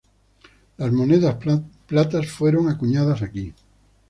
Las monedas platas fueron acuñadas aquí.